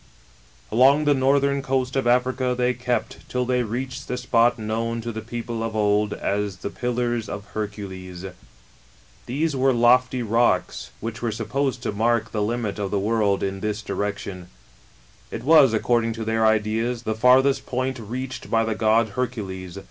ALONG the northern coast of Africa they kept, till they reached the spot known to the people of old as the " Pillars of Hercules." These were lofty rocks which were supposed to mark the limit of the world in this directidn. It was, according to t^heir ideas, the t farthest point reached by the god Hercules.